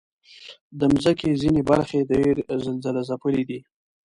د مځکې ځینې برخې ډېر زلزلهځپلي دي.